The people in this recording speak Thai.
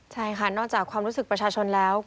ใช่ค่ะนอกจากความรู้สึกประชาชนแล้ว